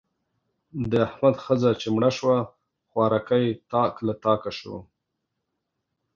د احمد ښځه چې مړه شوه؛ خوارکی تاک له تاکه شو.